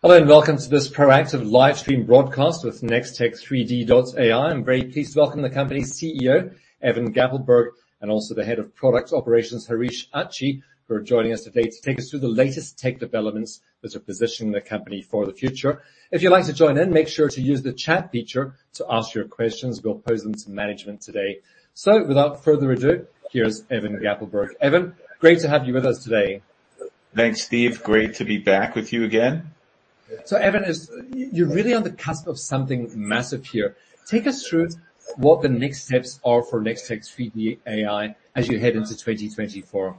Hello, and welcome to this Proactive Live Stream Broadcast with Nextech3D.ai. I'm very pleased to welcome the company's CEO, Evan Gappelberg, and also the Head of Product Operations, Hareesh Achi, who are joining us today to take us through the latest tech developments that are positioning the company for the future. If you'd like to join in, make sure to use the chat feature to ask your questions. We'll pose them to management today. So without further ado, here's Evan Gappelberg. Evan, great to have you with us today. Thanks, Steve. Great to be back with you again. So, Evan, you're really on the cusp of something massive here. Take us through what the next steps are for Nextech3D.ai as you head into 2024.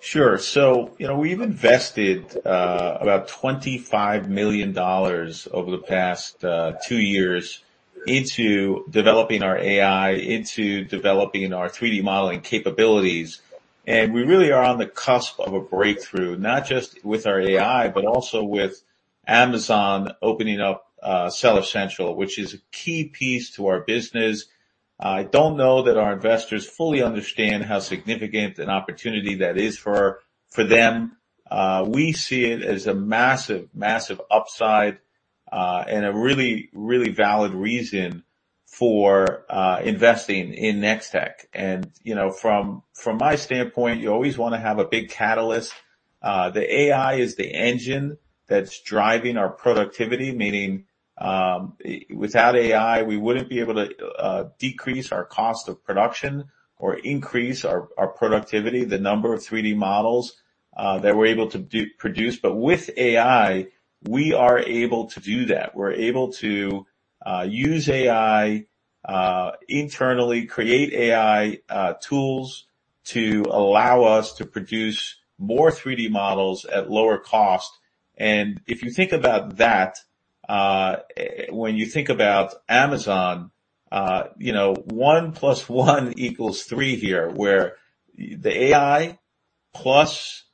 Sure. So, you know, we've invested about $25 million over the past two years into developing our AI, into developing our 3D modeling capabilities, and we really are on the cusp of a breakthrough, not just with our AI, but also with Amazon opening up Seller Central, which is a key piece to our business. I don't know that our investors fully understand how significant an opportunity that is for them. We see it as a massive, massive upside, and a really, really valid reason for investing in Nextech. And, you know, from my standpoint, you always wanna have a big catalyst. The AI is the engine that's driving our productivity, meaning without AI, we wouldn't be able to decrease our cost of production or increase our productivity, the number of 3D models that we're able to produce. But with AI, we are able to do that. We're able to use AI internally, create AI tools to allow us to produce more 3D models at lower cost. And if you think about that, when you think about Amazon, you know, one plus one equals three here, where the AI plus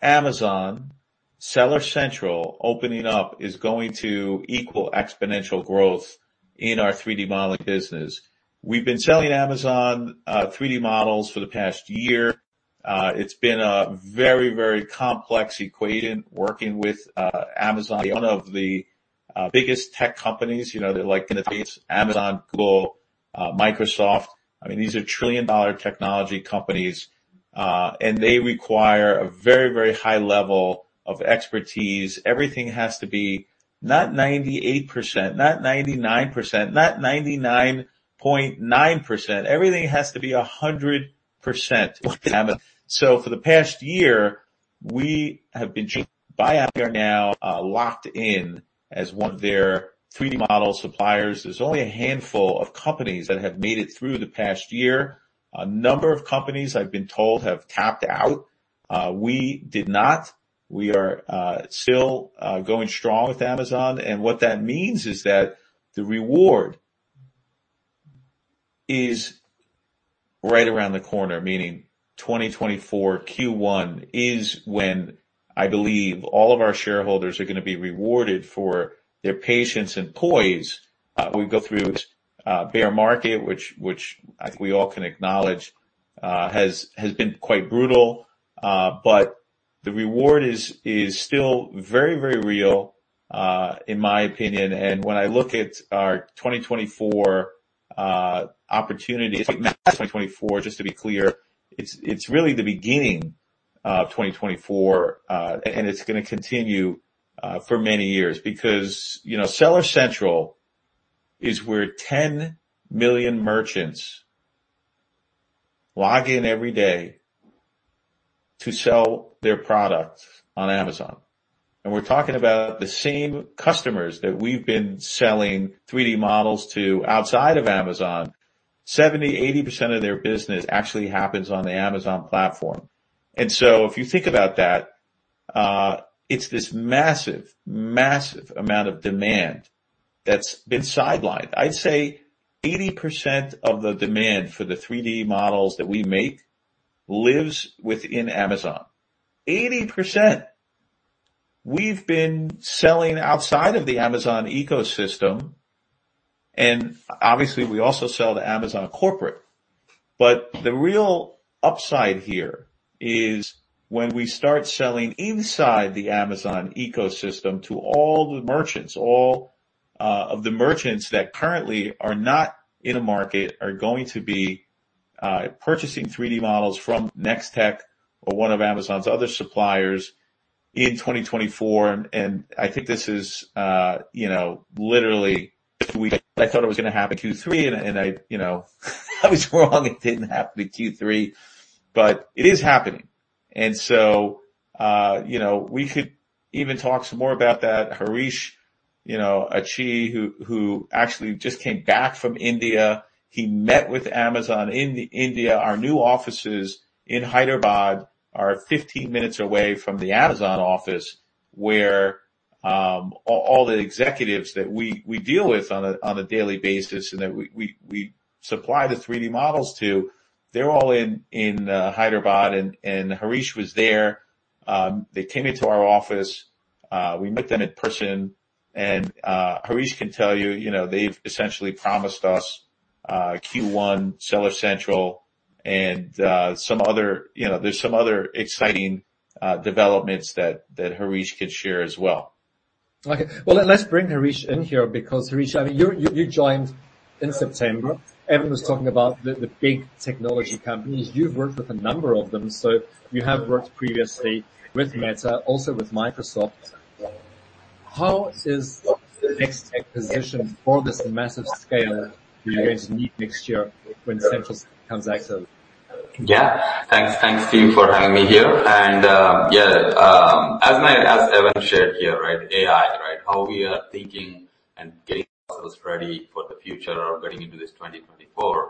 Amazon Seller Central opening up is going to equal exponential growth in our 3D modeling business. We've been selling Amazon 3D models for the past year. It's been a very, very complex equation working with Amazon, one of the biggest tech companies. You know, they're like, in the case, Amazon, Google, Microsoft. I mean, these are trillion-dollar technology companies, and they require a very, very high level of expertise. Everything has to be not 98%, not 99%, not 99.9%. Everything has to be 100%. So for the past year, we have been. We are now locked in as one of their 3D model suppliers. There's only a handful of companies that have made it through the past year. A number of companies, I've been told, have tapped out. We did not. We are still going strong with Amazon, and what that means is that the reward is right around the corner, meaning 2024 Q1 is when I believe all of our shareholders are gonna be rewarded for their patience and poise. We go through a bear market, which I think we all can acknowledge has been quite brutal, but the reward is still very real, in my opinion. And when I look at our 2024 opportunities, 2024, just to be clear, it's really the beginning of 2024, and it's gonna continue for many years. Because, you know, Seller Central is where 10 million merchants log in every day to sell their products on Amazon. And we're talking about the same customers that we've been selling 3D models to outside of Amazon. 70%-80% of their business actually happens on the Amazon platform. And so if you think about that, it's this massive amount of demand that's been sidelined. I'd say 80% of the demand for the 3D models that we make lives within Amazon. 80%! We've been selling outside of the Amazon ecosystem, and obviously, we also sell to Amazon corporate. But the real upside here is when we start selling inside the Amazon ecosystem to all the merchants, all of the merchants that currently are not in the market are going to be purchasing 3D models from Nextech or one of Amazon's other suppliers in 2024, and I think this is, you know, literally, I thought it was gonna happen Q3, and I, you know, I was wrong. It didn't happen in Q3, but it is happening. And so, you know, we could even talk some more about that. Hareesh, you know, Achi, who actually just came back from India, he met with Amazon in India. Our new offices in Hyderabad are 15 minutes away from the Amazon office, where all the executives that we deal with on a daily basis and that we supply the 3D models to, they're all in Hyderabad, and Hareesh was there. They came into our office, we met them in person, and Hareesh can tell you, you know, they've essentially promised us Q1 Seller Central- and some other, you know, there's some other exciting developments that Hareesh could share as well. Okay. Well, let's bring Hareesh in here, because Hareesh, I mean, you joined in September. Evan was talking about the big technology companies. You've worked with a number of them, so you have worked previously with Meta, also with Microsoft. How is Nextech's position for this massive scale you're going to need next year when Central comes active? Yeah. Thanks, thanks, Steve, for having me here. And, yeah, as Evan shared here, right? AI, right? How we are thinking and getting ourselves ready for the future or getting into this 2024.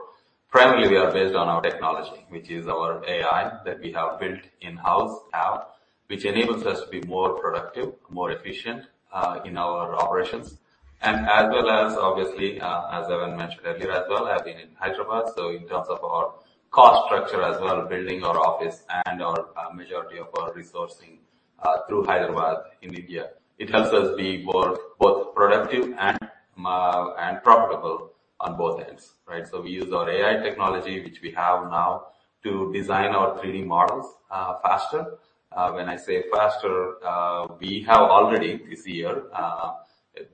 Primarily, we are based on our technology, which is our AI, that we have built in-house app, which enables us to be more productive, more efficient, in our operations. And as well as obviously, as Evan mentioned earlier as well, I've been in Hyderabad, so in terms of our cost structure as well, building our office and our, majority of our resourcing, through Hyderabad in India. It helps us be more both productive and profitable on both ends, right? So we use our AI technology, which we have now, to design our 3D models, faster. When I say faster, we have already this year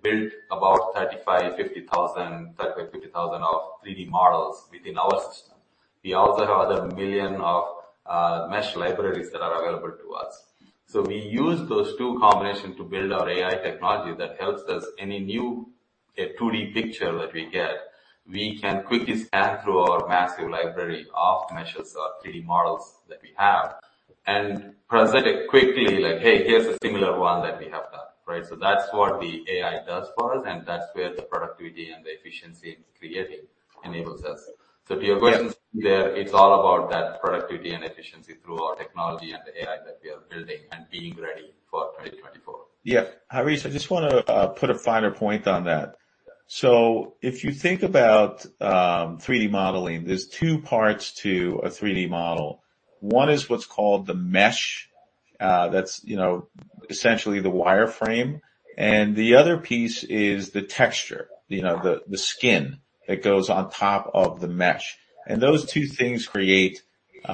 built about 35-50,000 3D models within our system. We also have 1 million of mesh libraries that are available to us. So we use those two combination to build our AI technology that helps us any new 2D picture that we get, we can quickly scan through our massive library of meshes or 3D models that we have and present it quickly, like, "Hey, here's a similar one that we have done," right? So that's what the AI does for us, and that's where the productivity and the efficiency in creating enables us. So if you are going there, it's all about that productivity and efficiency through our technology and the AI that we are building and being ready for 2024. Yeah. Hareesh, I just wanna put a finer point on that. So if you think about 3D modeling, there's two parts to a 3D model. One is what's called the mesh, that's you know essentially the wireframe, and the other piece is the texture, you know the skin that goes on top of the mesh. And those two things create the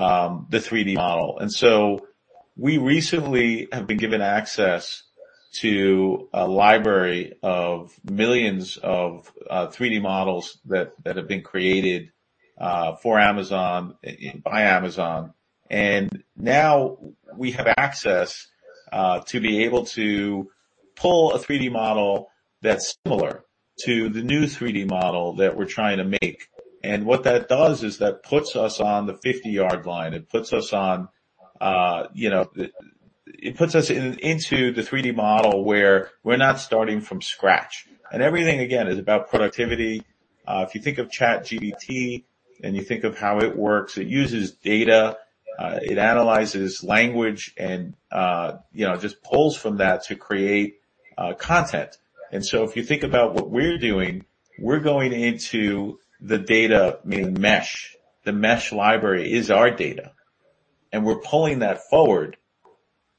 3D model. And so we recently have been given access to a library of millions of 3D models that have been created for Amazon, by Amazon. And now we have access to be able to pull a 3D model that's similar to the new 3D model that we're trying to make. And what that does is that puts us on the 50-yard line. It puts us on, you know, it puts us into the 3D model where we're not starting from scratch. Everything, again, is about productivity. If you think of ChatGPT, and you think of how it works, it uses data, it analyzes language and, you know, just pulls from that to create content. So if you think about what we're doing, we're going into the data, meaning mesh. The mesh library is our data, and we're pulling that forward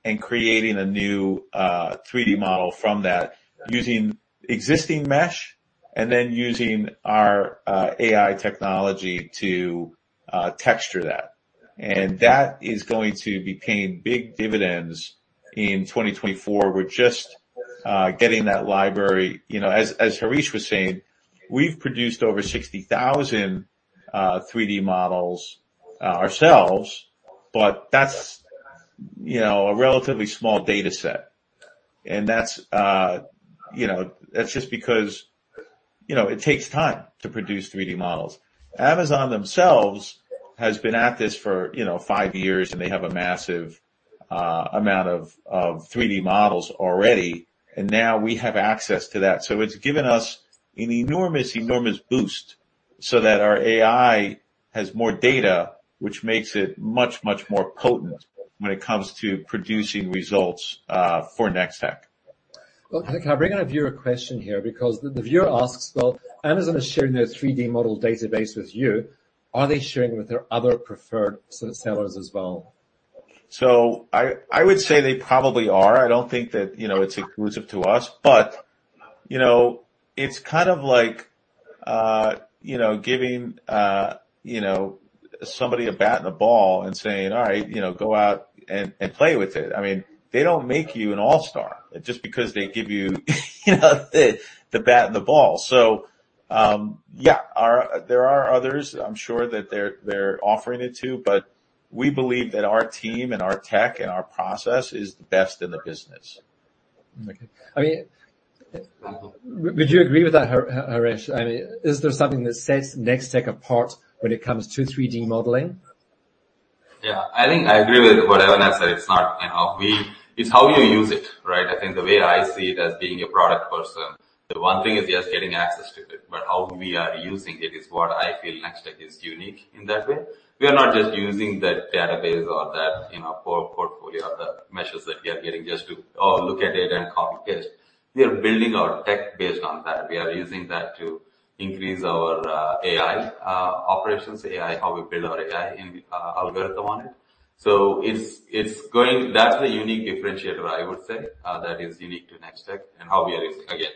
and creating a new 3D model from that, using existing mesh and then using our AI technology to texture that. That is going to be paying big dividends in 2024. We're just getting that library. You know, as Hareesh was saying, we've produced over 60,000 3D models ourselves, but that's, you know, a relatively small data set. That's just because, you know, it takes time to produce 3D models. Amazon themselves has been at this for, you know, five years, and they have a massive amount of 3D models already, and now we have access to that. So it's given us an enormous, enormous boost so that our AI has more data, which makes it much, much more potent when it comes to producing results for Nextech. Well, I think I'll bring in a viewer question here, because the viewer asks: "Well, Amazon is sharing their 3D model database with you. Are they sharing with their other preferred sellers as well? So I would say they probably are. I don't think that, you know, it's exclusive to us, but, you know, it's kind of like, you know, giving you know, somebody a bat and a ball and saying, "All right, you know, go out and and play with it." I mean, they don't make you an all-star just because they give you, you know, the bat and the ball. So, yeah, there are others, I'm sure, that they're offering it to, but we believe that our team and our tech and our process is the best in the business. Okay. I mean, would you agree with that, Hareesh? I mean, is there something that sets Nextech apart when it comes to 3D modeling? Yeah, I think I agree with what Evan has said. It's not, you know, we-- It's how you use it, right? I think the way I see it, as being a product person, the one thing is just getting access to it, but how we are using it is what I feel Nextech is unique in that way. We are not just using that database or that, you know, portfolio or the meshes that we are getting just to, oh, look at it and copy it. We are building our tech based on that. We are using that to increase our AI operations, AI, how we build our AI and algorithm on it. So it's, it's going-- That's the unique differentiator, I would say, that is unique to Nextech and how we are using, again-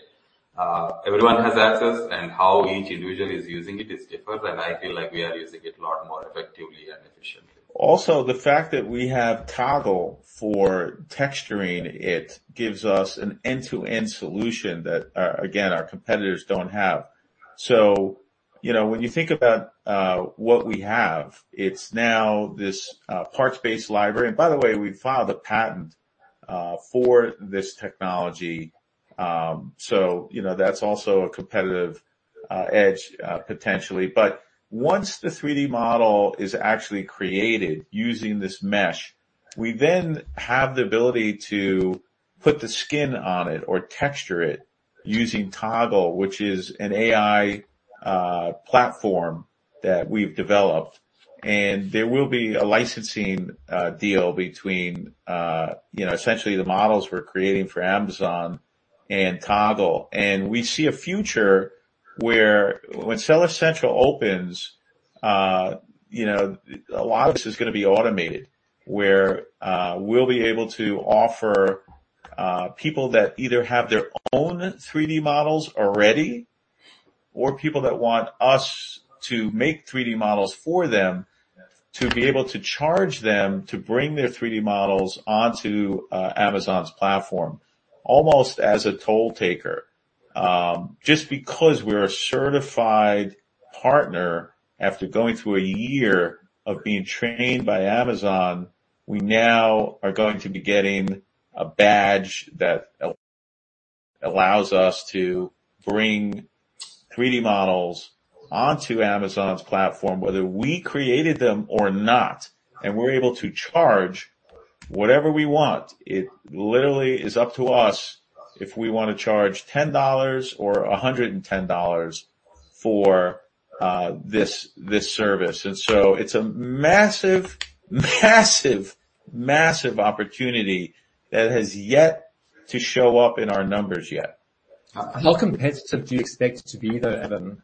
Everyone has access, and how each individual is using it is different, and I feel like we are using it a lot more effectively and efficiently. Also, the fact that we have Toggle for texturing it, gives us an end-to-end solution that, again, our competitors don't have. So, you know, when you think about what we have, it's now this, parts-based library. And by the way, we filed a patent for this technology. So, you know, that's also a competitive edge, potentially. But once the 3D model is actually created using this mesh, we then have the ability to put the skin on it or texture it using Toggle, which is an AI platform that we've developed. And there will be a licensing deal between, you know, essentially the models we're creating for Amazon and Toggle. We see a future where when Seller Central opens, you know, a lot of this is gonna be automated, where we'll be able to offer people that either have their own 3D models already or people that want us to make 3D models for them, to be able to charge them to bring their 3D models onto Amazon's platform, almost as a toll taker. Just because we're a certified partner, after going through a year of being trained by Amazon, we now are going to be getting a badge that allows us to bring 3D models onto Amazon's platform, whether we created them or not, and we're able to charge whatever we want. It literally is up to us if we wanna charge $10 or $110 for this service. It's a massive, massive, massive opportunity that has yet to show up in our numbers yet. How competitive do you expect it to be, though, Evan?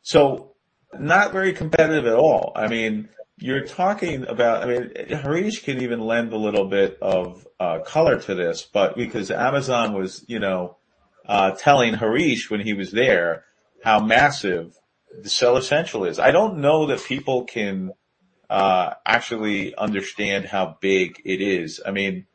So not very competitive at all. I mean, you're talking about. I mean, Hareesh can even lend a little bit of color to this, but because Amazon was, you know, telling Hareesh when he was there, how massive the Seller Central is. I don't know that people can actually understand how big it is. I mean,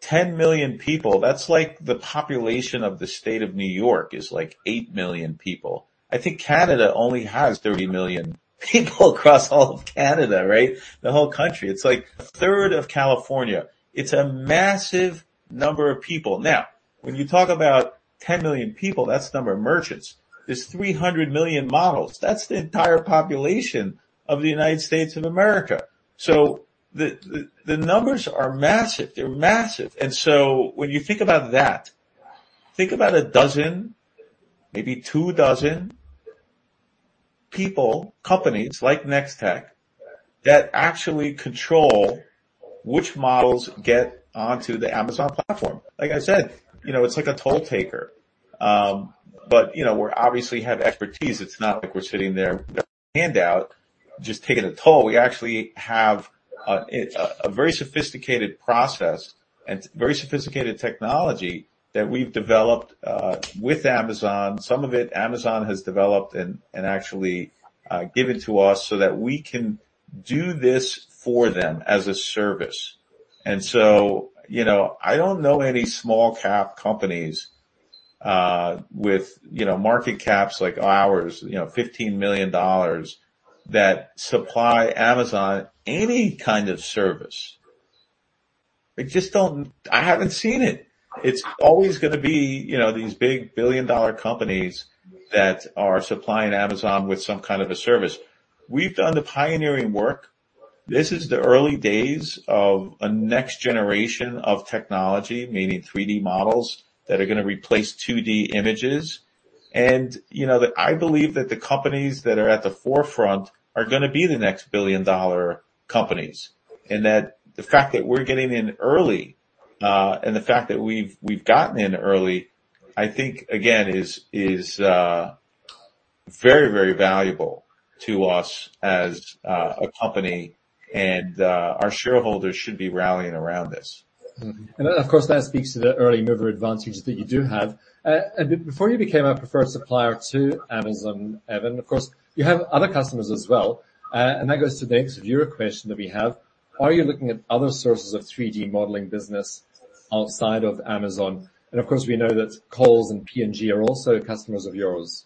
10 million people, that's like the population of the state of New York, is like 8 million people. I think Canada only has 30 million people across all of Canada, right? The whole country. It's like a third of California. It's a massive number of people. Now, when you talk about 10 million people, that's the number of merchants. There's 300 million models. That's the entire population of the United States of America. So the numbers are massive. They're massive. And so when you think about that, think about a dozen, maybe 2Dozen people, companies like Nextech, that actually control which models get onto the Amazon platform. Like I said, you know, it's like a toll taker. But, you know, we obviously have expertise. It's not like we're sitting there with our hand out, just taking a toll. We actually have a very sophisticated process and very sophisticated technology that we've developed with Amazon. Some of it, Amazon has developed and actually given to us so that we can do this for them as a service. And so, you know, I don't know any small cap companies with market caps like ours, $15 million, that supply Amazon any kind of service. I just don't. I haven't seen it. It's always gonna be, you know, these big billion-dollar companies that are supplying Amazon with some kind of a service. We've done the pioneering work. This is the early days of a next generation of technology, meaning 3D models, that are gonna replace 2D images. And, you know, that I believe that the companies that are at the forefront are gonna be the next billion-dollar companies. And that the fact that we're getting in early, and the fact that we've, we've gotten in early, I think, again, is, very valuable to us as a company, and our shareholders should be rallying around this. And of course, that speaks to the early mover advantage that you do have. And before you became a preferred supplier to Amazon, Evan, of course, you have other customers as well. And that goes to the next viewer question that we have: Are you looking at other sources of 3D modeling business outside of Amazon? And of course, we know that Kohl's and P&G are also customers of yours.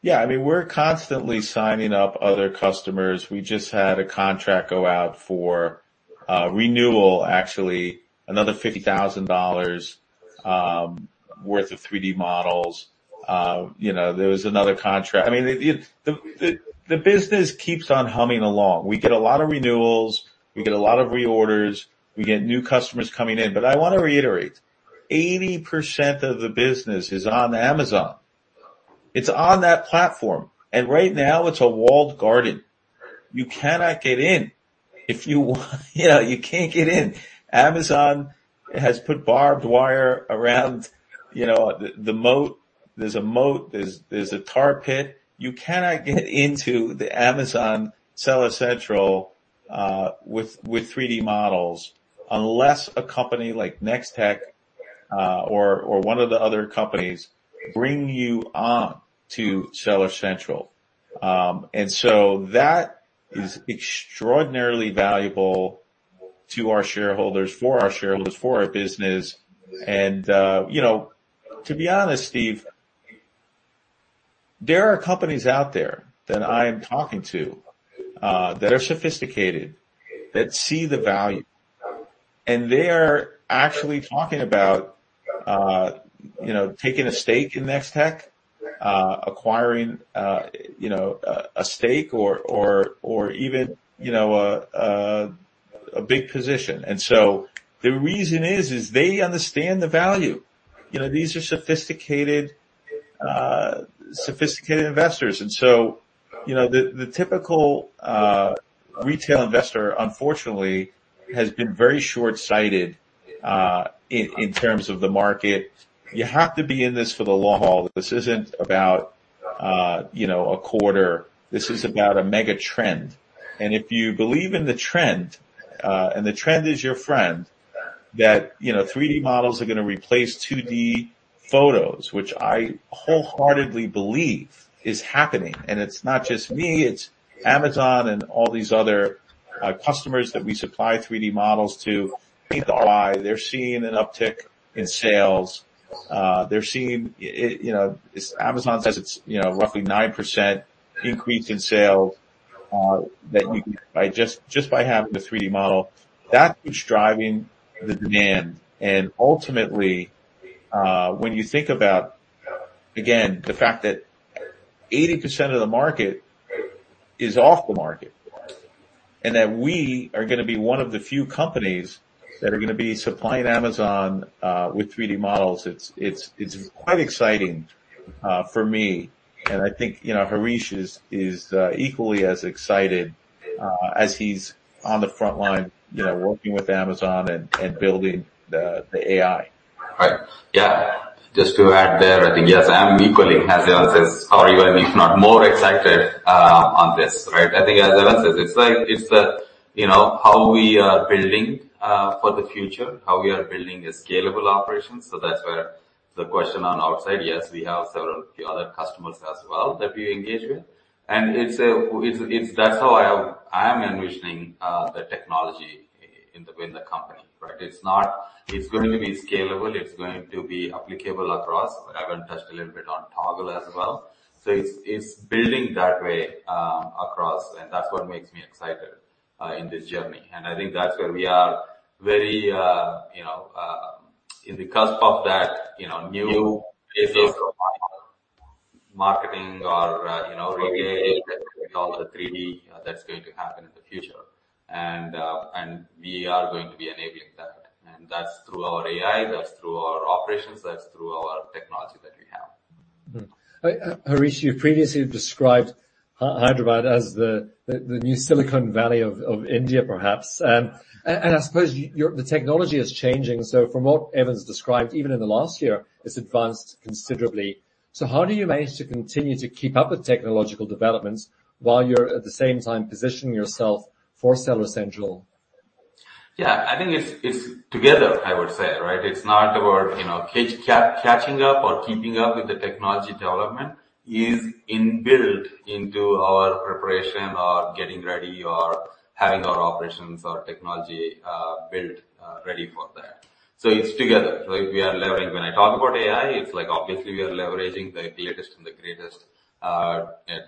Yeah, I mean, we're constantly signing up other customers. We just had a contract go out for renewal, actually, another $50,000 worth of 3D models. You know, there was another contract. I mean, the business keeps on humming along. We get a lot of renewals, we get a lot of reorders, we get new customers coming in. But I want to reiterate, 80% of the business is on Amazon. It's on that platform, and right now it's a walled garden. You cannot get in. If you know, you can't get in. Amazon has put barbed wire around, you know, the moat. There's a moat, there's a tar pit. You cannot get into the Amazon Seller Central- With 3D models, unless a company like Nextech or one of the other companies bring you on to Seller Central. And so that is extraordinarily valuable to our shareholders, for our shareholders, for our business. You know, to be honest, Steve, there are companies out there that I'm talking to that are sophisticated, that see the value, and they are actually talking about you know, taking a stake in Nextech, acquiring you know, a stake or or even you know, a big position. And so the reason is they understand the value. You know, these are sophisticated sophisticated investors. And so you know, the typical retail investor, unfortunately, has been very short-sighted in terms of the market. You have to be in this for the long haul. This isn't about, you know, a quarter, this is about a mega trend. And if you believe in the trend, and the trend is your friend, that, you know, 3D models are gonna replace 2D photos, which I wholeheartedly believe is happening. And it's not just me, it's Amazon and all these other customers that we supply 3D models to. They're seeing an uptick in sales. They're seeing it, you know, Amazon says it's, you know, roughly 9% increase in sales by just, just by having a 3D model. That is driving the demand. And ultimately, when you think about, again, the fact that 80% of the market is off the market, and that we are gonna be one of the few companies that are gonna be supplying Amazon with 3D models, it's quite exciting for me. And I think, you know, Hareesh is equally as excited as he's on the front line, you know, working with Amazon and building the AI. Right. Yeah. Just to add there, I think, yes, I'm equally as Evan says, or even if not more excited, on this, right? I think as Evan says, it's like, it's the, you know, how we are building, for the future, how we are building a scalable operation. So that's where the question on outside, yes, we have several few other customers as well that we engage with. And it's. That's how I, I am envisioning, the technology in the, in the company, right? It's not. It's going to be scalable, it's going to be applicable across. Evan touched a little bit on Toggle as well. So it's, it's building that way, across, and that's what makes me excited, in this journey. I think that's where we are very, you know, in the cusp of that, you know, new phases of marketing or, you know, all the 3D that's going to happen in the future. And, and we are going to be enabling that, and that's through our AI, that's through our operations, that's through our technology that we have. Hareesh, you previously described Hyderabad as the new Silicon Valley of India, perhaps. I suppose your. The technology is changing, so from what Evan's described, even in the last year, it's advanced considerably. So how do you manage to continue to keep up with technological developments while you're at the same time positioning yourself for Seller Central? Yeah, I think it's, it's together, I would say, right? It's not about, you know, catching up or keeping up with the technology development, is built into our preparation or getting ready or having our operations or technology, built, ready for that. So it's together. So we are leveraging. When I talk about AI, it's like obviously we are leveraging the latest and the greatest,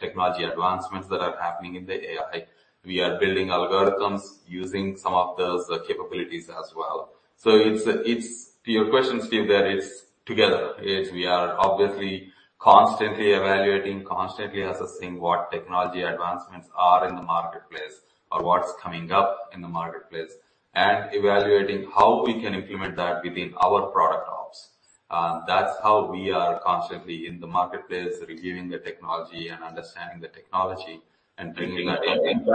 technology advancements that are happening in the AI. We are building algorithms using some of those capabilities as well. So it's, it's to your question, Steve, that it's together. It's we are obviously constantly evaluating, constantly assessing what technology advancements are in the marketplace or what's coming up in the marketplace, and evaluating how we can implement that within our product ops. That's how we are constantly in the marketplace, reviewing the technology and understanding the technology, and bringing that in.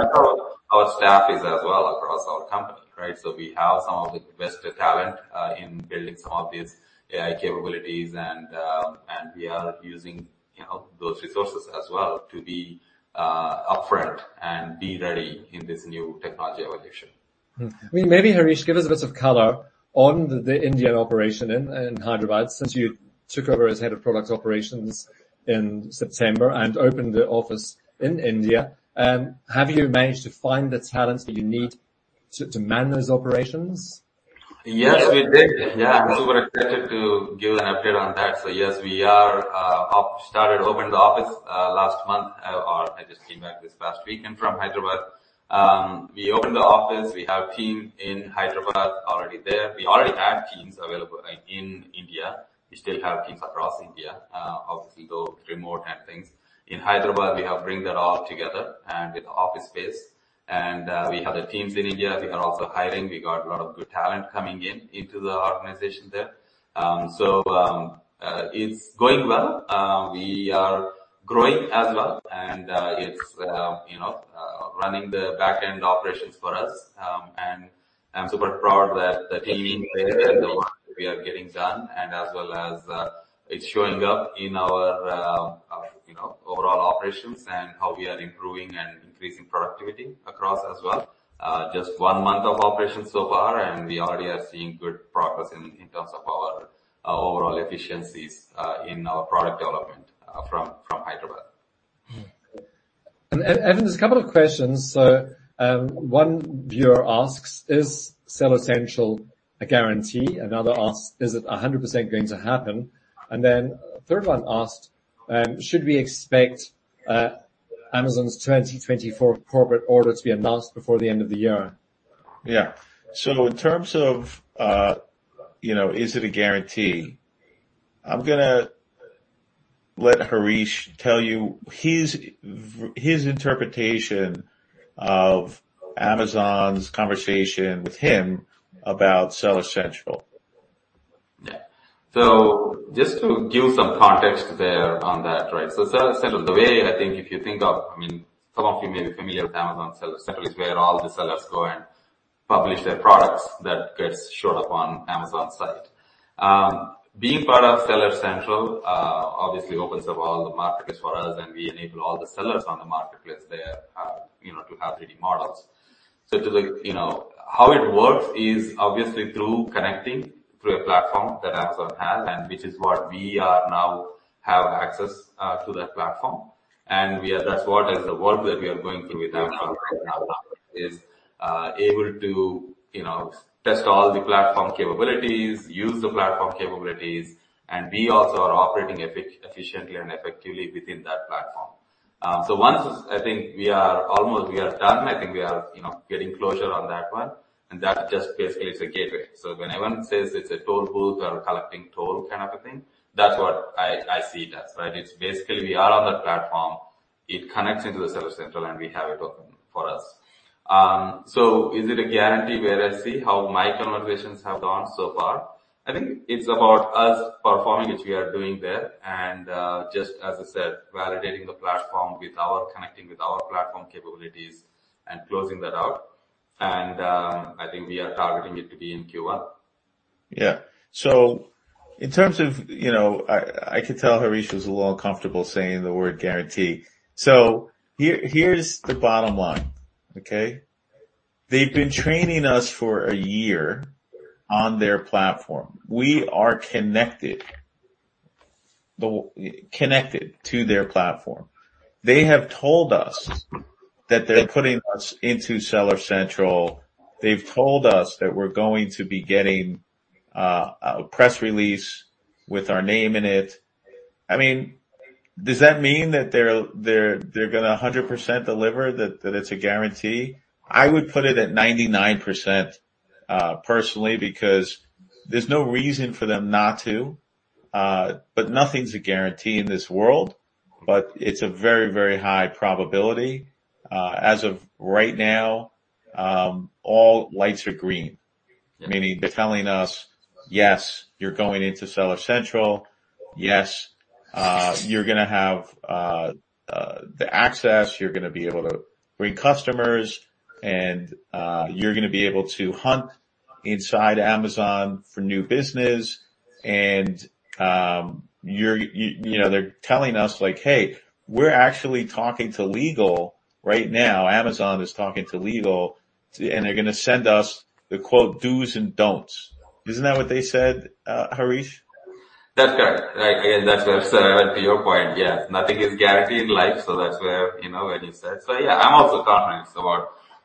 Our staff is as well across our company, right? So we have some of the best talent in building some of these AI capabilities, and we are using, you know, those resources as well to be upfront and be ready in this new technology evolution. I mean, maybe, Hareesh, give us a bit of color on the Indian operation in Hyderabad, since you took over as head of product operations in September and opened the office in India. Have you managed to find the talents that you need to man those operations? Yes, we did. Yeah, I'm super excited to give an update on that. So yes, we opened the office last month, or I just came back this past weekend from Hyderabad. We opened the office, we have team in Hyderabad already there. We already had teams available in India. We still have teams across India, obviously, though remote and things. In Hyderabad, we have bring that all together and with office space, and we have the teams in India. We are also hiring. We got a lot of good talent coming in into the organization there. So it's going well. We are growing as well, and it's you know running the back-end operations for us. I'm super proud that the team in there, and we are getting done, and as well as, it's showing up in our, you know, overall operations and how we are improving and increasing productivity across as well. Just one month of operation so far, and we already are seeing good progress in terms of our overall efficiencies in our product development from Hyderabad. Evan, there's a couple of questions. So, one viewer asks: Is Seller Central a guarantee? Another asks: Is it 100% going to happen? And then a third one asked: Should we expect Amazon's 2024 corporate order to be announced before the end of the year? Yeah. So in terms of, you know, is it a guarantee? I'm gonna let Hareesh tell you his, his interpretation of Amazon's conversation with him about Seller Central. Yeah. So just to give some context there on that, right? So Seller Central, the way I think if you think of. I mean, some of you may be familiar with Amazon Seller Central is where all the sellers go and publish their products that gets showed up on Amazon site. Being part of Seller Central, obviously opens up all the markets for us, and we enable all the sellers on the marketplace there, you know, to have 3D models. So to the, you know, how it works is obviously through connecting through a platform that Amazon has, and which is what we are now have access to that platform. We are – that's what, as the work that we are going through with Amazon right now, is able to, you know, test all the platform capabilities, use the platform capabilities, and we also are operating efficiently and effectively within that platform. So once, I think we are almost done, I think we are, you know, getting closure on that one, and that just basically is a gateway. So when anyone says it's a toll booth or collecting toll kind of a thing, that's what I see it as, right? It's basically we are on that platform, it connects into the Seller Central, and we have it open for us. So is it a guarantee, where I see how my conversations have gone so far? I think it's about us performing, which we are doing there, and just as I said, validating the platform with our connecting with our platform capabilities and closing that out. I think we are targeting it to be in Q1. Yeah. So in terms of, you know, I, I could tell Hareesh was a little uncomfortable saying the word guarantee. So here, here's the bottom line, okay? They've been training us for a year on their platform. We are connected to their platform. They have told us that they're putting us into Seller Central. They've told us that we're going to be getting a press release with our name in it. I mean, does that mean that they're gonna 100% deliver, that it's a guarantee? I would put it at 99%, personally, because there's no reason for them not to. But nothing's a guarantee in this world, but it's a very, very high probability. As of right now, all lights are green. Yeah. Meaning they're telling us, "Yes, you're going into Seller Central. Yes, you're gonna have the access, you're gonna be able to bring customers, and you're gonna be able to hunt inside Amazon for new business." And you know, they're telling us, like, "Hey, we're actually talking to legal right now. Amazon is talking to legal," and they're gonna send us the quote, "dos and don'ts." Isn't that what they said, Hareesh? That's correct. Like, yeah, that's to your point, yeah. Nothing is guaranteed in life, so that's where, you know, when you said. So yeah, I'm also confident about,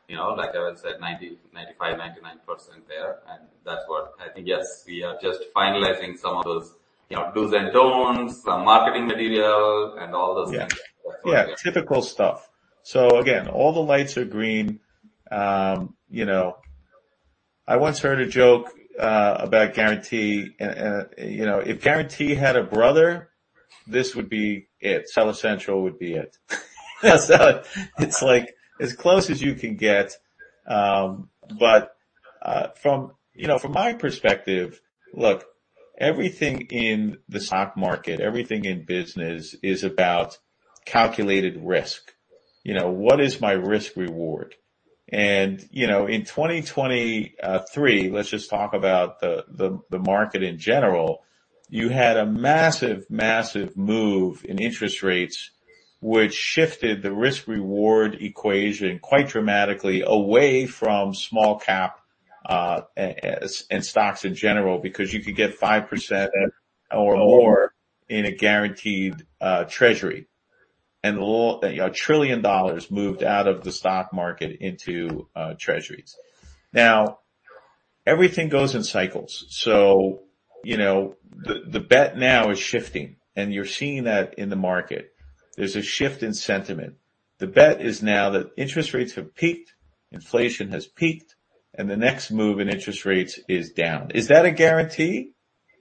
you know, like Evan said, 90, 95, 99% there, and that's what I think. Yes, we are just finalizing some of those, you know, dos and don'ts, some marketing material, and all those things. Yeah. Yeah, typical stuff. So again, all the lights are green. You know, I once heard a joke about guarantee, and you know, if guarantee had a brother, this would be it. Seller Central would be it. So it's like as close as you can get. But from my perspective, look, everything in the stock market, everything in business is about calculated risk. You know, what is my risk-reward? And you know, in 2023, let's just talk about the market in general. You had a massive, massive move in interest rates, which shifted the risk-reward equation quite dramatically away from small-cap and stocks in general, because you could get 5% or more in a guaranteed treasury. A lot, $1 trillion moved out of the stock market into treasuries. Now, everything goes in cycles, so, you know, the bet now is shifting, and you're seeing that in the market. There's a shift in sentiment. The bet is now that interest rates have peaked, inflation has peaked, and the next move in interest rates is down. Is that a guarantee?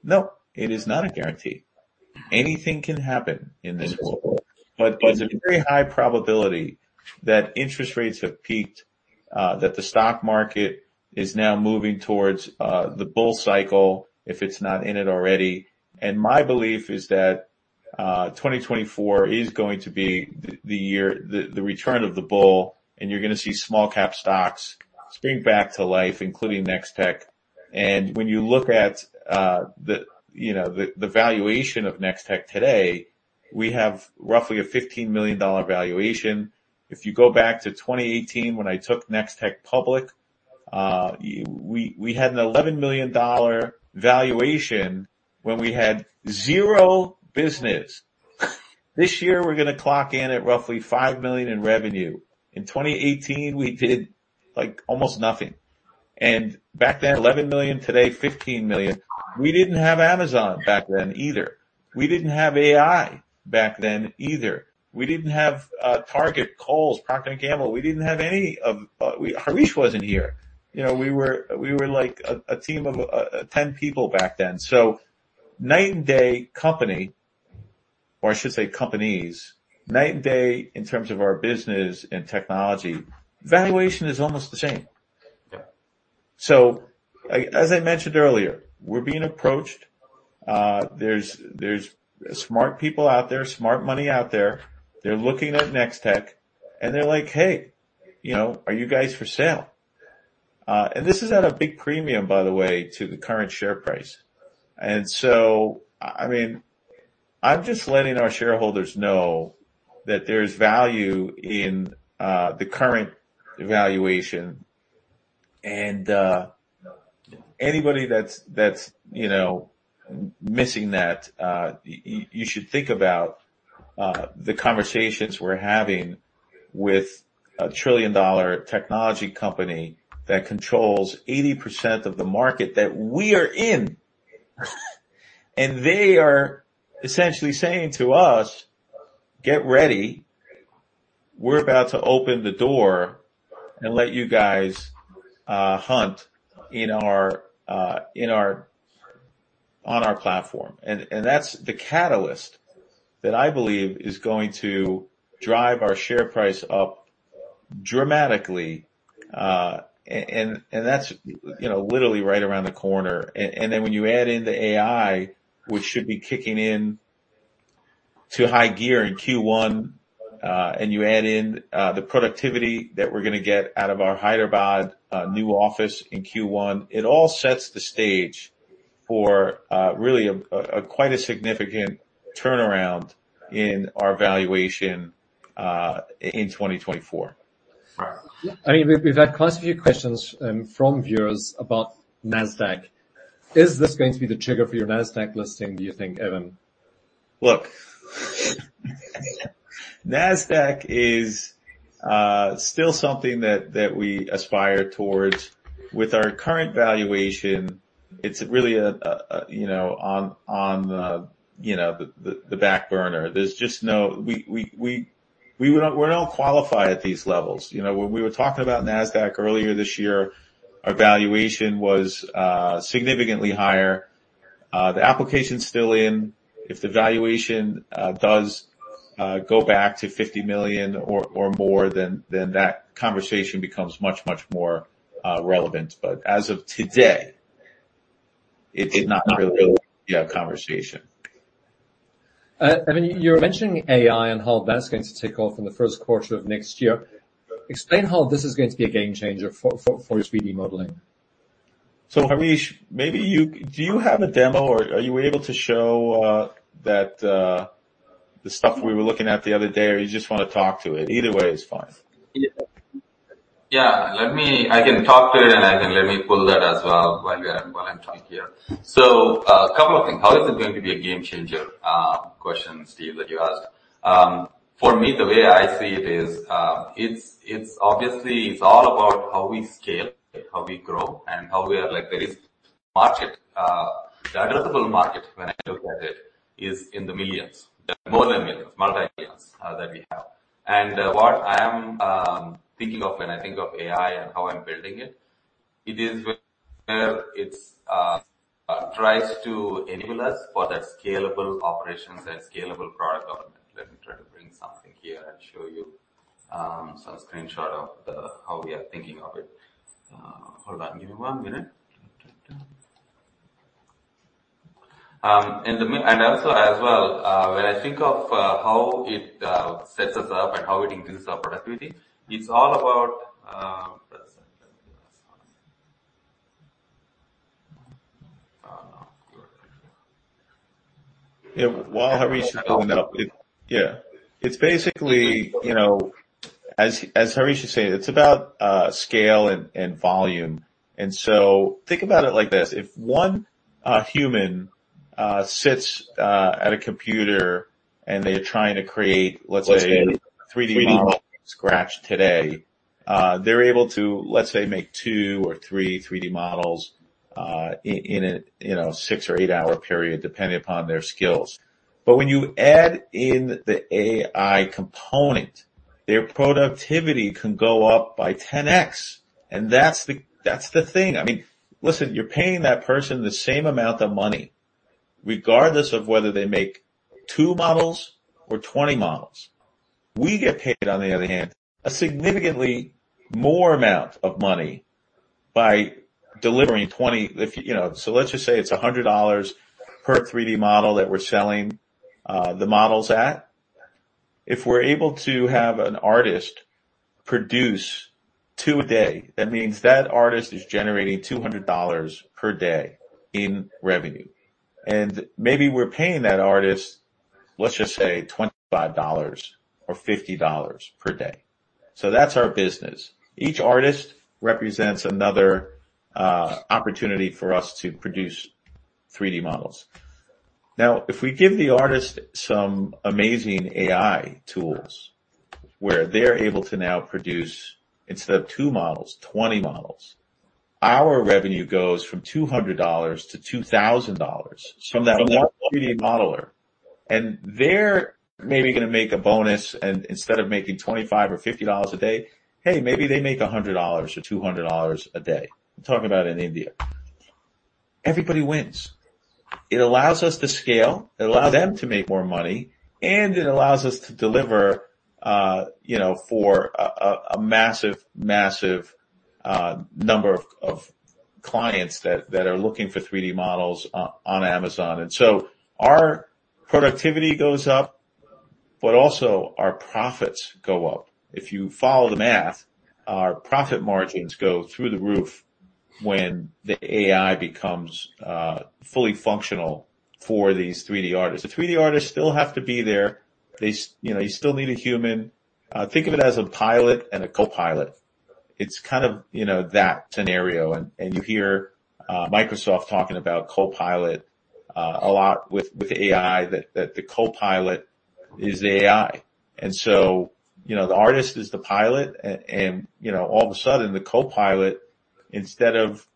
No, it is not a guarantee. Anything can happen in this world, but there's a very high probability that interest rates have peaked, that the stock market is now moving towards the bull cycle, if it's not in it already. And my belief is that 2024 is going to be the year, the return of the bull, and you're gonna see small cap stocks spring back to life, including Nextech.... And when you look at, the, you know, the, the valuation of Nextech today, we have roughly a $15 million valuation. If you go back to 2018, when I took Nextech public, we had an $11 million valuation when we had zero business. This year, we're gonna clock in at roughly $5 million in revenue. In 2018, we did, like, almost nothing. And back then, $11 million, today, $15 million. We didn't have Amazon back then either. We didn't have AI back then either. We didn't have, Target, Kohl's, Procter & Gamble. We didn't have any of. Hareesh wasn't here. You know, we were like a team of 10 people back then. So night and day company, or I should say, companies, night and day in terms of our business and technology, valuation is almost the same. So, like as I mentioned earlier, we're being approached. There's smart people out there, smart money out there. They're looking at Nextech, and they're like: "Hey, you know, are you guys for sale?" And this is at a big premium, by the way, to the current share price. And so, I mean, I'm just letting our shareholders know that there's value in the current valuation. And anybody that's, you know, missing that, you should think about the conversations we're having with a trillion-dollar technology company that controls 80% of the market that we are in. And they are essentially saying to us, "Get ready. We're about to open the door and let you guys hunt in our platform." That's the catalyst that I believe is going to drive our share price up dramatically. That's, you know, literally right around the corner. Then when you add in the AI, which should be kicking in to high gear in Q1, and you add in the productivity that we're gonna get out of our Hyderabad new office in Q1, it all sets the stage for really a quite a significant turnaround in our valuation in 2024. I mean, we've had quite a few questions from viewers about Nasdaq. Is this going to be the trigger for your Nasdaq listing, do you think, Evan? Look, Nasdaq is still something that we aspire towards. With our current valuation, it's really, you know, on the, you know, the back burner. There's just no. We're not—we don't qualify at these levels. You know, when we were talking about Nasdaq earlier this year, our valuation was significantly higher. The application's still in. If the valuation does go back to $50 million or more, then that conversation becomes much more relevant. But as of today, it's not really a conversation. I mean, you're mentioning AI and how that's going to take off in the first quarter of next year. Explain how this is going to be a game changer for 3D modeling. Hareesh, maybe you. Do you have a demo, or are you able to show, that, the stuff we were looking at the other day, or you just wanna talk to it? Either way is fine. Yeah. Yeah, let me. I can talk to it, and I can let me pull that as well while we are, while I'm talking here. So, a couple of things. How is it going to be a game changer, question, Steve, that you asked? For me, the way I see it is, it's, it's obviously, it's all about how we scale, how we grow, and how we are like there is market, the addressable market, when I look at it, is in the millions, the more than millions, multi-millions, that we have. And, what I am, thinking of when I think of AI and how I'm building it, it is where it's, tries to enable us for that scalable operations and scalable product development. Let me try to bring something here and show you, so a screenshot of the. How we are thinking of it. Hold on, give me one minute. And also as well, when I think of how it sets us up and how it increases our productivity, it's all about. Yeah. While Hareesh is opening up, yeah, it's basically, you know, as Hareesh is saying, it's about scale and volume. So think about it like this: if one human sits at a computer, and they are trying to create, let's say, a 360 model from scratch today, they're able to, let's say, make two or three 3D models in a, you know, six or eight-hour period, depending upon their skills. But when you add in the AI component, their productivity can go up by 10x, and that's the thing. I mean, listen, you're paying that person the same amount of money, regardless of whether they make two models or 20 models. We get paid, on the other hand, a significantly more amount of money by delivering 20, if, you know. So let's just say it's $100 per 3D model that we're selling, the models at. If we're able to have an artist produce two a day, that means that artist is generating $200 per day in revenue, and maybe we're paying that artist, let's just say $25 or $50 per day. So that's our business. Each artist represents another, opportunity for us to produce 3D models. Now, if we give the artist some amazing AI tools, where they're able to now produce, instead of two models, 20 models, our revenue goes from $200-$2,000 from that one 3D modeler, and they're maybe gonna make a bonus, and instead of making $25 or $50 a day, hey, maybe they make $100 or $200 a day. I'm talking about in India. Everybody wins. It allows us to scale, it allow them to make more money, and it allows us to deliver, you know, for a massive, massive number of clients that are looking for 3D models on Amazon. And so our productivity goes up, but also our profits go up. If you follow the math, our profit margins go through the roof when the AI becomes fully functional for these 3D artists. The 3D artists still have to be there. They. You know, you still need a human. Think of it as a pilot and a co-pilot. It's kind of, you know, that scenario, and you hear Microsoft talking about co-pilot a lot with AI, that the co-pilot is AI. And so, you know, the artist is the pilot, and, you know, all of a sudden, the co-pilot, instead of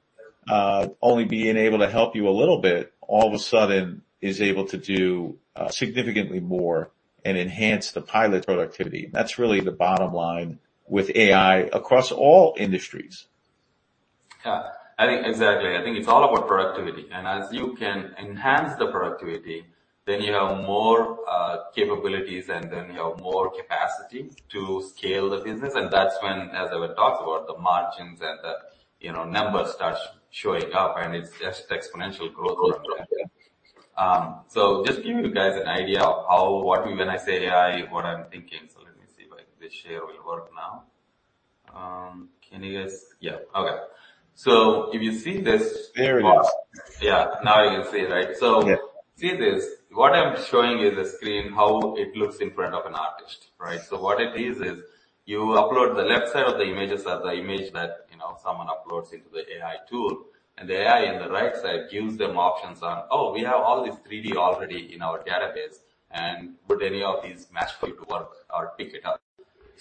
only being able to help you a little bit, all of a sudden is able to do significantly more and enhance the pilot's productivity. That's really the bottom line with AI across all industries. Yeah, I think exactly. I think it's all about productivity, and as you can enhance the productivity, then you have more capabilities, and then you have more capacity to scale the business, and that's when, as I would talk about the margins and the, you know, numbers start showing up, and it's just exponential growth from there. So just giving you guys an idea of how, what I'm thinking when I say AI. So let me see if this share will work now. Can you guys - yeah, okay. So if you see this- There we go. Yeah, now you can see, right? Yeah. So see this. What I'm showing you the screen, how it looks in front of an artist, right? So what it is, is you upload the left side of the images as the image that, you know, someone uploads into the AI tool, and the AI in the right side gives them options on, "Oh, we have all these 3D already in our database, and would any of these match for you to work or pick it up?"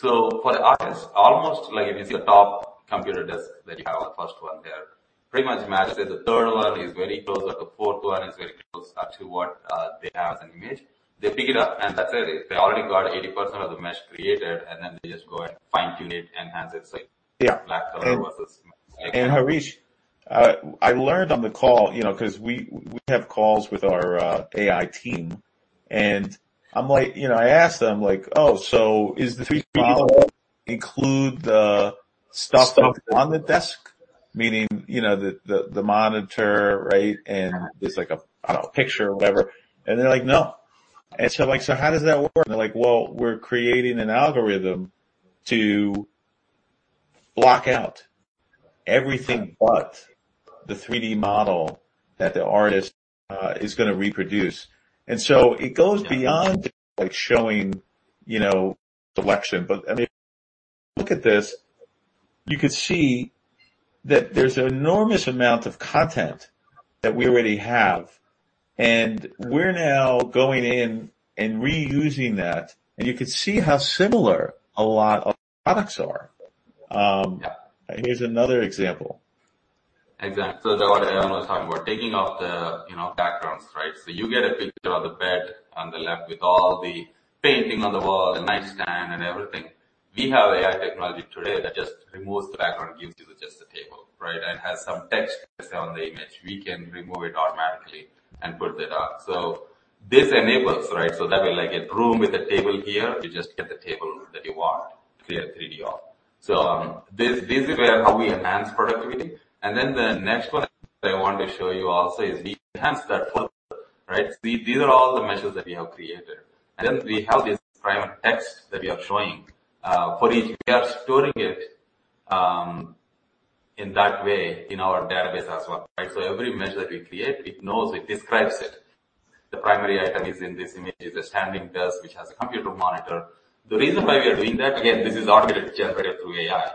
So for the artist, almost like if it's your top computer desk that you have on the first one there, pretty much matches. The third one is very close, or the fourth one is very close to what they have as an image. They pick it up, and that's it. They already got 80% of the mesh created, and then they just go ahead and fine-tune it, enhance it, so- Yeah. Black color versus- Hareesh, I learned on the call, you know, 'cause we have calls with our AI team, and I'm like... You know, I asked them, like: "Oh, so is the 3D model include the stuff on the desk?" Meaning, you know, the monitor, right, and there's like a picture or whatever. And they're like: "No." And so I'm like: "So how does that work?" They're like: "Well, we're creating an algorithm to block out everything but the 3D model that the artist is gonna reproduce." And so it goes beyond like showing, you know, selection. But, I mean, look at this, you could see that there's an enormous amount of content that we already have, and we're now going in and reusing that, and you could see how similar a lot of products are. Yeah. Here's another example. Exactly. So what I was talking about, taking off the, you know, backgrounds, right? So you get a picture of the bed on the left with all the painting on the wall, the nightstand and everything. We have AI technology today that just removes the background, gives you just the table, right? And has some text on the image. We can remove it automatically and put it up. So this enables, right? So that way, like a room with a table here, you just get the table that you want, clear 3D off. So, this is where how we enhance productivity. And then the next one I want to show you also is we enhance that further, right? So these are all the meshes that we have created, and then we have this primary text that we are showing. For each, we are storing it, in that way in our database as well, right? So every measure that we create, it knows, it describes it. The primary item is in this image is a standing desk, which has a computer monitor. The reason why we are doing that, again, this is automated, generated through AI.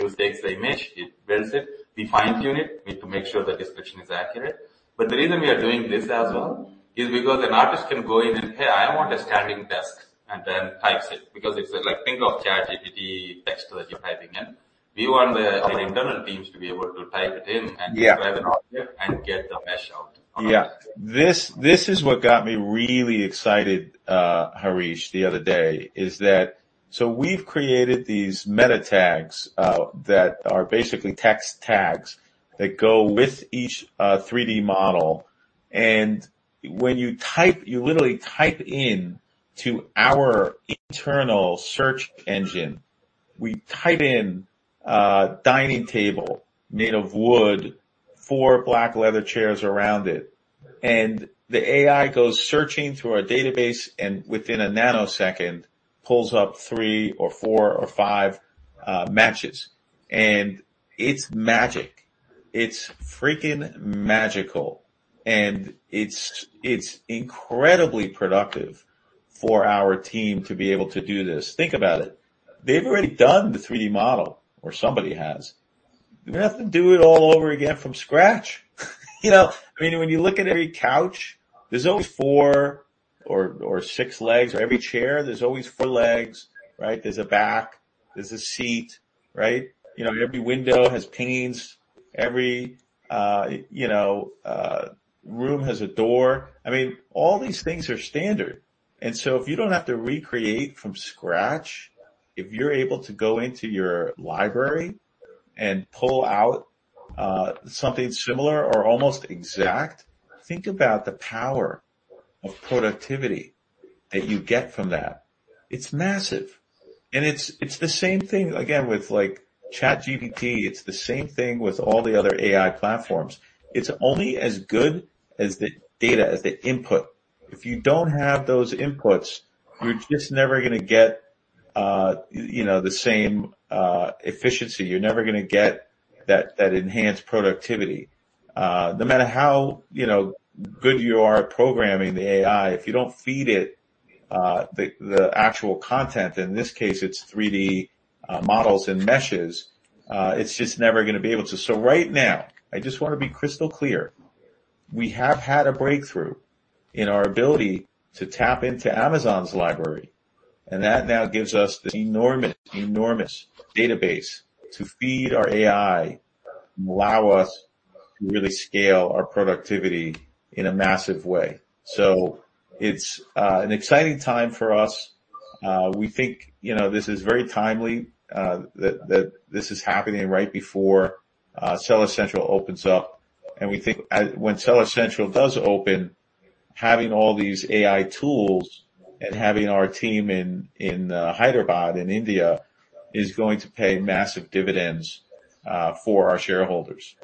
It takes the image, it builds it, we fine-tune it, we need to make sure the description is accurate. But the reason we are doing this as well, is because an artist can go in and, "Hey, I want a standing desk," and then types it, because it's like, think of ChatGPT text that you're typing in. We want the, our internal teams to be able to type it in and- Yeah and get the mesh out. Yeah. This, this is what got me really excited, Hareesh, the other day, is that so we've created these meta tags, that are basically text tags that go with each, 3D model, and when you type, you literally type into our internal search engine, dining table made of wood, four black leather chairs around it, and the AI goes searching through our database, and within a nanosecond, pulls up three or four or five, matches. And it's magic. It's freaking magical, and it's, it's incredibly productive for our team to be able to do this. Think about it, they've already done the 3D model, or somebody has. You don't have to do it all over again from scratch. You know, I mean, when you look at every couch, there's always four or six legs, or every chair, there's always four legs, right? There's a back, there's a seat, right? You know, every window has panes, every, you know, room has a door. I mean, all these things are standard, and so if you don't have to recreate from scratch, if you're able to go into your library and pull out something similar or almost exact, think about the power of productivity that you get from that. It's massive, and it's, it's the same thing again with like ChatGPT, it's the same thing with all the other AI platforms. It's only as good as the data, as the input. If you don't have those inputs, you're just never gonna get, you know, the same efficiency. You're never gonna get that, that enhanced productivity. No matter how, you know, good you are at programming the AI, if you don't feed it the actual content, in this case, it's 3D models and meshes, it's just never gonna be able to. So right now, I just want to be crystal clear, we have had a breakthrough in our ability to tap into Amazon's library, and that now gives us this enormous, enormous database to feed our AI and allow us to really scale our productivity in a massive way. So it's an exciting time for us. We think, you know, this is very timely, that this is happening right before Seller Central opens up, and we think as when Seller Central does open, having all these AI tools and having our team in Hyderabad in India is going to pay massive dividends for our shareholders.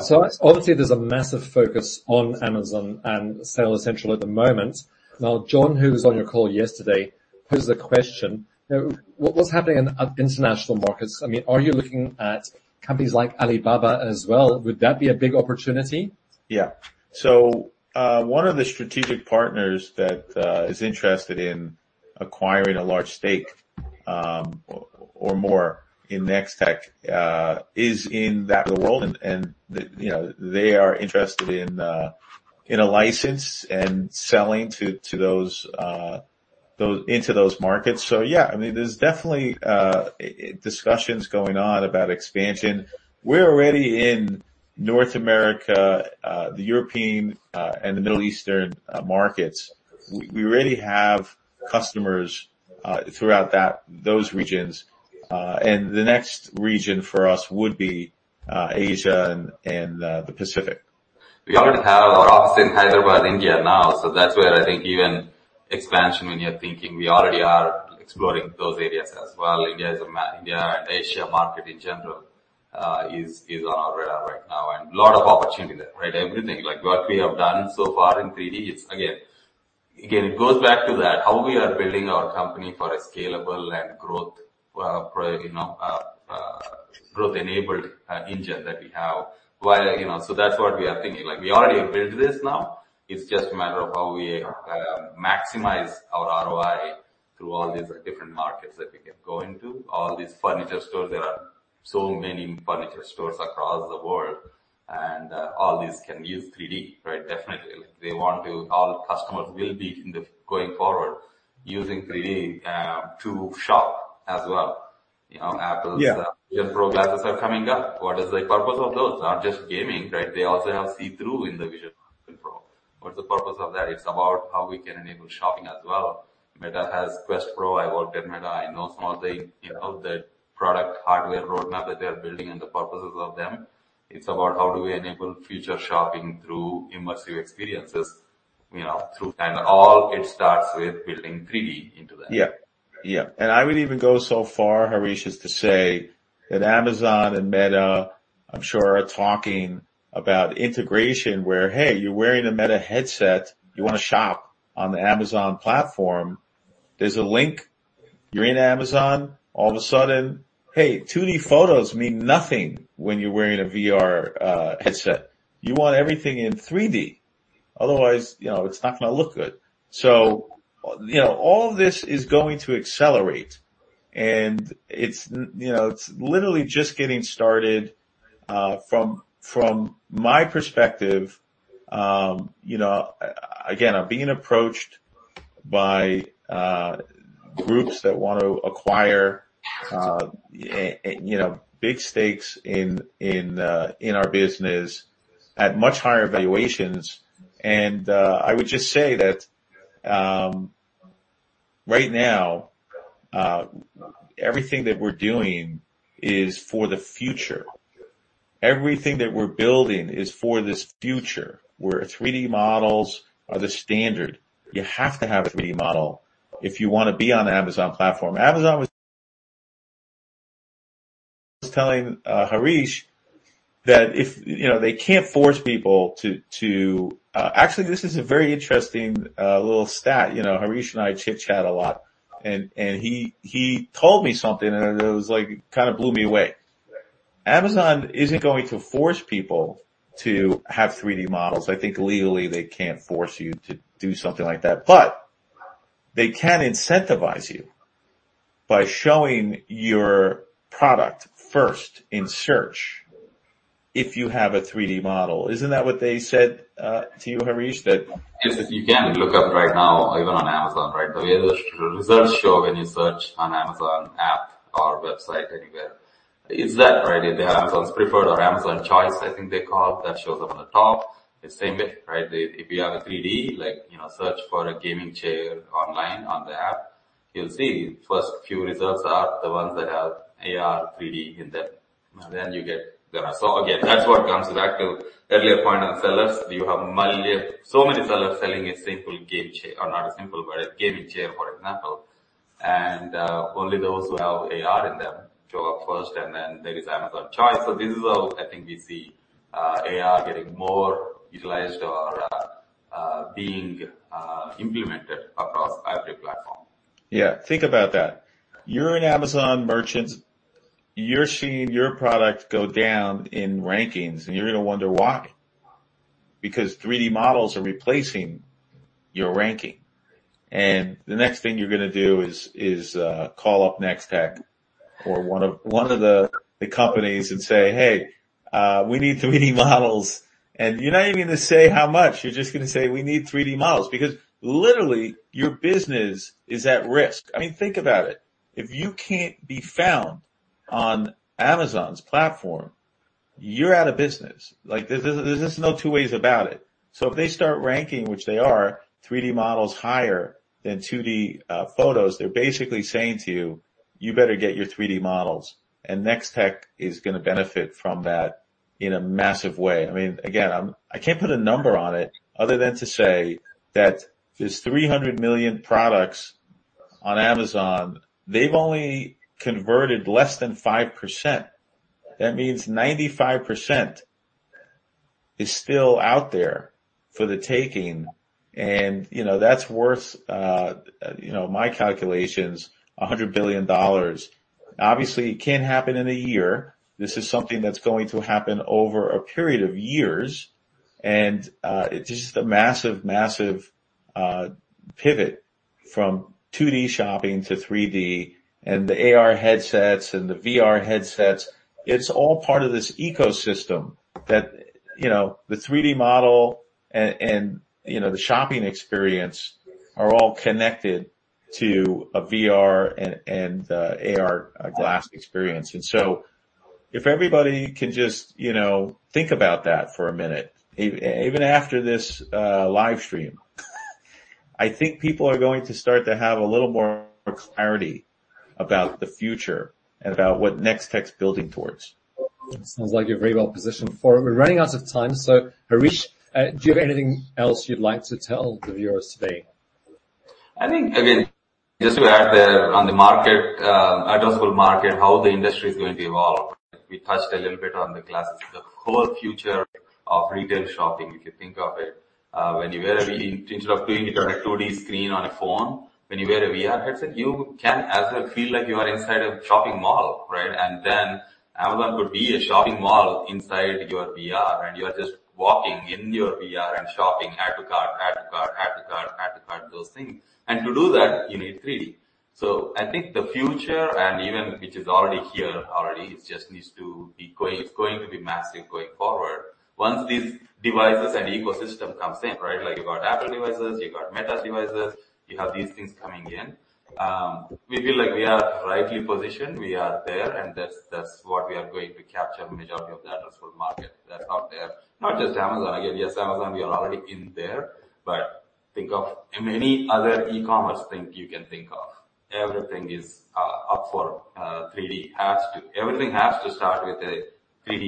So obviously, there's a massive focus on Amazon and Seller Central at the moment. Now, John, who was on your call yesterday, posed a question, "Now, what, what's happening in, international markets?" I mean, are you looking at companies like Alibaba as well? Would that be a big opportunity? Yeah. So, one of the strategic partners that is interested in acquiring a large stake, or more in Nextech, is in that world, and, you know, they are interested in a license and selling to those into those markets. So yeah, I mean, there's definitely discussions going on about expansion. We're already in North America, the European, and the Middle Eastern markets. We already have customers throughout those regions, and the next region for us would be Asia and the Pacific. We already have our office in Hyderabad, India now, so that's where I think even expansion when you're thinking, we already are exploring those areas as well. India and Asia market in general is on our radar right now, and a lot of opportunity there, right? Everything, like what we have done so far in 3D, it's again, again, it goes back to that, how we are building our company for a scalable and growth pro, you know, growth-enabled engine that we have, while, you know. So that's what we are thinking. Like, we already built this now, it's just a matter of how we maximize our ROI through all these different markets that we can go into. All these furniture stores, there are so many furniture stores across the world, and all these can use 3D, right? Definitely. They want to— all customers will be in the. Going forward, using 3D to shop as well. You know, Apple's- Yeah Vision Pro glasses are coming up. What is the purpose of those? Not just gaming, right? They also have see-through in the Vision Pro. What's the purpose of that? It's about how we can enable shopping as well. Meta has Quest Pro. I worked at Meta. I know some of the, you know, the product hardware roadmap that they are building and the purposes of them. It's about how do we enable future shopping through immersive experiences, you know, through. All it starts with building 3D into that. Yeah. Yeah, and I would even go so far, Hareesh, as to say that Amazon and Meta, I'm sure are talking about integration where, hey, you're wearing a Meta headset, you want to shop on the Amazon platform, there's a link, you're in Amazon. All of a sudden, hey, 2D photos mean nothing when you're wearing a VR headset. You want everything in 3D. Otherwise, you know, it's not gonna look good. So, you know, all of this is going to accelerate, and it's you know, it's literally just getting started. From my perspective, you know, again, I'm being approached by groups that want to acquire a big stake in our business at much higher valuations, and I would just say that, right now, everything that we're doing is for the future. Everything that we're building is for this future, where 3D models are the standard. You have to have a 3D model if you wanna be on Amazon platform. Amazon was telling Hareesh that if, you know, they can't force people to. Actually, this is a very interesting little stat. You know, Hareesh and I chitchat a lot, and he told me something, and it was like, it kinda blew me away. Amazon isn't going to force people to have 3D models. I think legally they can't force you to do something like that, but they can incentivize you by showing your product first in search if you have a 3D model. Isn't that what they said to you, Hareesh, that- Yes, you can look up right now, even on Amazon, right? The way the results show when you search on Amazon app or website anywhere is that, right? The Amazon's preferred or Amazon's Choice, I think they call it, that shows up on the top. It's same with, right, if you have a 3D, like, you know, search for a gaming chair online on the app, you'll see first few results are the ones that have AR 3D in them. Then you get the. So again, that's what comes back to earlier point on sellers. You have many, so many sellers selling a simple game chair, or not a simple, but a gaming chair, for example, and only those who have AR in them show up first, and then there is Amazon's Choice. So this is where I think we see AR getting more utilized or being implemented across every platform. Yeah, think about that. You're an Amazon merchant, you're seeing your product go down in rankings, and you're gonna wonder why. Because 3D models are replacing your ranking, and the next thing you're gonna do is call up Nextech or one of the companies and say, "Hey, we need 3D models." And you're not even gonna say how much, you're just gonna say, "We need 3D models," because literally, your business is at risk. I mean, think about it. If you can't be found on Amazon's platform, you're out of business. Like, there's just no two ways about it. So if they start ranking, which they are, 3D models higher than 2D photos, they're basically saying to you, "You better get your 3D models." And Nextech is gonna benefit from that in a massive way. I mean, again, I'm I can't put a number on it other than to say that there's 300 million products on Amazon, they've only converted less than 5%. That means 95% is still out there for the taking, and, you know, that's worth, you know, my calculations, $100 billion. Obviously, it can't happen in a year. This is something that's going to happen over a period of years, and it's just a massive, massive pivot from 2D shopping to 3D, and the AR headsets and the VR headsets, it's all part of this ecosystem that, you know, the 3D model and, and, you know, the shopping experience are all connected to a VR and, and AR glass experience. If everybody can just, you know, think about that for a minute, even after this live stream, I think people are going to start to have a little more clarity about the future and about what Nextech's building towards. Sounds like you're very well positioned for it. We're running out of time, so, Hareesh, do you have anything else you'd like to tell the viewers today? I think, again, just to add there on the market, addressable market, how the industry is going to evolve. We touched a little bit on the glasses. The whole future of retail shopping, if you think of it, when you wear a VR, instead of doing it on a 2D screen on a phone, when you wear a VR headset, you can as well feel like you are inside a shopping mall, right? And then Amazon could be a shopping mall inside your VR, and you are just walking in your VR and shopping, add to cart, add to cart, add to cart, add to cart, those things. And to do that, you need 2D. So I think the future, and even which is already here already, it just needs to be quite. It's going to be massive going forward. Once these devices and ecosystem comes in, right? Like, you got Apple devices, you got Meta devices, you have these things coming in. We feel like we are rightly positioned, we are there, and that's what we are going to capture majority of the addressable market that's out there. Not just Amazon. Again, yes, Amazon, we are already in there, but think of any other e-commerce thing you can think of. Everything is up for 3D. Everything has to start with a 3D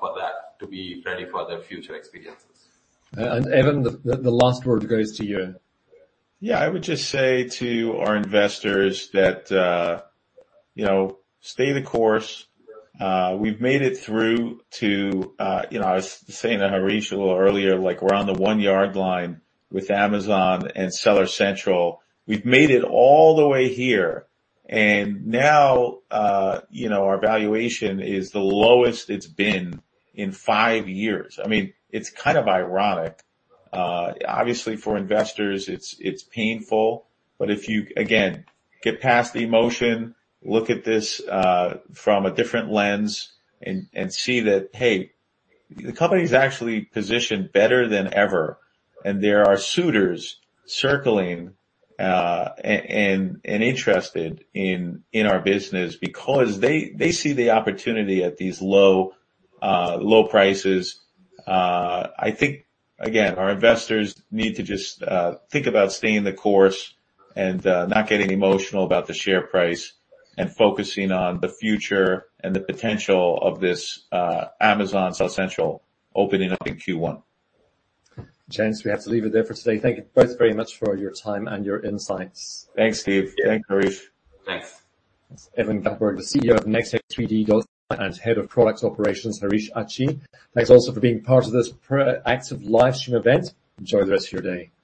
for that to be ready for the future experiences. And, Evan, the last word goes to you. Yeah, I would just say to our investors that, you know, stay the course. We've made it through to, you know, I was saying to Hareesh a little earlier, like we're on the one-yard line with Amazon and Seller Central. We've made it all the way here, and now, you know, our valuation is the lowest it's been in five years. I mean, it's kind of ironic. Obviously, for investors, it's, it's painful, but if you, again, get past the emotion, look at this, from a different lens and, and see that, hey, the company's actually positioned better than ever, and there are suitors circling, and, and interested in, in our business because they, they see the opportunity at these low, low prices. I think, again, our investors need to just think about staying the course and not getting emotional about the share price and focusing on the future and the potential of this Amazon Seller Central opening up in Q1. Gents, we have to leave it there for today. Thank you both very much for your time and your insights. Thanks, Steve. Thanks, Hareesh. Thanks. That's Evan Gappelberg, the CEO of Nextech3D.ai, and Head of Product Operations, Hareesh Achi. Thanks also for being part of this Proactive live stream event. Enjoy the rest of your day.